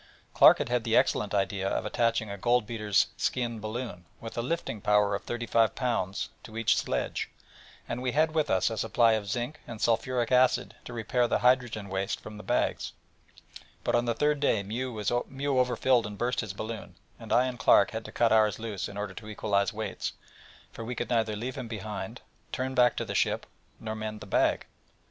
Clark had had the excellent idea of attaching a gold beater's skin balloon, with a lifting power of 35 pounds, to each sledge, and we had with us a supply of zinc and sulphuric acid to repair the hydrogen waste from the bags; but on the third day Mew over filled and burst his balloon, and I and Clark had to cut ours loose in order to equalise weights, for we could neither leave him behind, turn back to the ship, nor mend the bag.